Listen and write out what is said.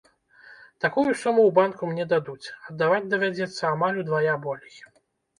Такую суму ў банку мне дадуць, аддаваць давядзецца амаль удвая болей.